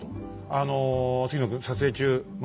あの杉野君撮影中松